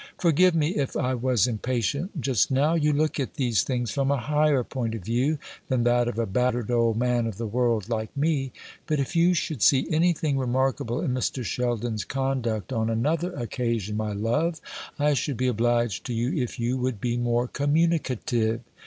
"Forgive me if I was impatient just now. You look at these things from a higher point of view than that of a battered old man of the world like me. But if you should see anything remarkable in Mr. Sheldon's conduct on another occasion, my love, I should be obliged to you if you would be more communicative.